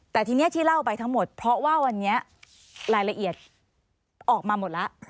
แต่ทีนี้ที่เล่าไปทั้งหมดเพราะว่าวันนี้รายละเอียดออกมาหมดแล้ว